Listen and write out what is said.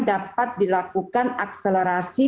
dapat dilakukan akselerasi